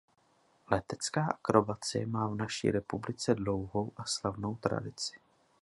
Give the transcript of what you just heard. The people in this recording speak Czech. Letecká akrobacie má v naší republice dlouhou a slavnou tradici.